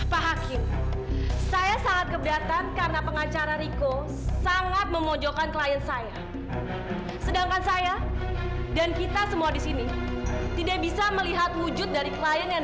pak hakim saya sangat keberatan karena pengacara riko sangat memojokkan klien saya sedangkan saya dan kita semua disini tidak bisa melihat wujud dari klien yang